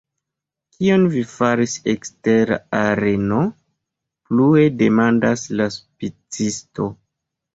Kion vi faris ekster la areno? plue demandas la spicisto.